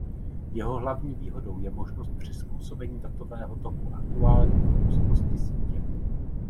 Jeho hlavní výhodou je možnost přizpůsobení datového toku aktuální propustnosti sítě.